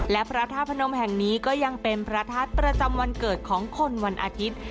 และพระธาตุพนมแห่งนี้ก็ยังเป็นพระธาตุประจำวันเกิดของคนวันอาทิตย์